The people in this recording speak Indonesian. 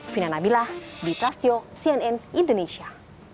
fina nabilah di trastyo cnn indonesia